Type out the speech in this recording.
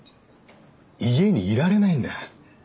家にいられないんだ。